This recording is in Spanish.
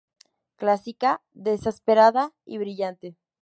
Clásica... Desesperada y brillante".